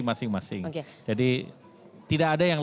masing masing jadi tidak ada yang